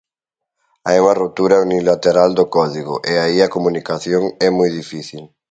Hai unha ruptura unilateral do código, e aí a comunicación é moi difícil.